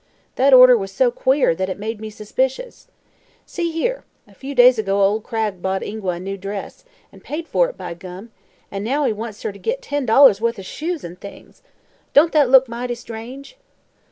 That order was so queer that it made me suspicious. See here: a few days ago ol' Cragg bought Ingua a dress an' paid for it, by gum! an' now he wants her t' git ten dollars' wuth o' shoes an' things! Don't that look mighty strange?"